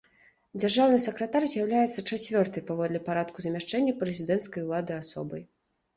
Дзяржаўны сакратар з'яўляецца чацвёртай паводле парадку замяшчэння прэзідэнцкай улады асобай.